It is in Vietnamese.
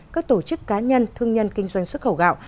các tổ chức cá nhân thương nhân kinh doanh xuất khẩu gạo